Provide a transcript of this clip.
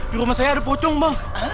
di rumah saya ada pucung bang